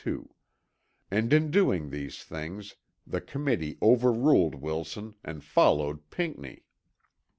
2), and in doing these things, the Committee overruled Wilson and followed Pinckney.